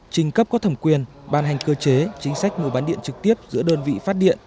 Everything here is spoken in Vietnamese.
trình cấp có thẩm quyền ban hành cơ chế chính sách mùa bán điện trực tiếp giữa đơn vị phát điện